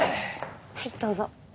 はいどうぞ。